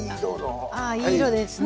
あいい色ですね。